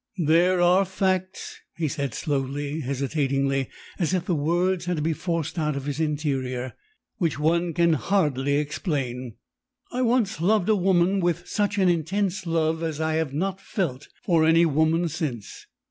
"There are facts" he said slowly, hesitatingly, as if the words had to be forced out of his interior "which one can hardly explain. I once loved a woman with such an intense love as I have not felt for any woman since.